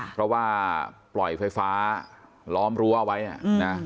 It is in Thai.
เพราะว่าปล่อยไฟฟ้าล้อมรั้วเอาไว้อ่ะนะ